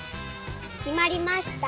きまりました。